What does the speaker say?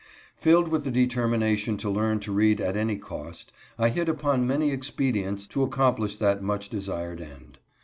Filled with the determination to learn to read at any cost, I hit upon many expedients to accomplish that much desired end.